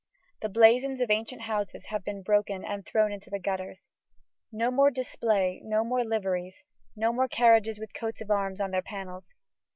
The blazons of ancient houses have been broken and thrown into the gutters. No more display, no more liveries, no more carriages with coats of arms on their panels.